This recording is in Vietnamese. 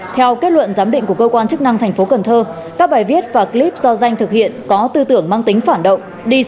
theo kết luận giám định của cơ quan chức năng tp cn các bài viết và clip do danh thực hiện có tư tưởng mang tính phản động